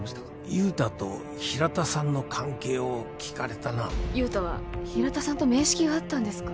雄太と平田さんの関係を聞かれたな雄太は平田さんと面識があったんですか？